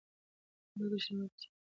تاریخ د رښتینولۍ سرچینه ده.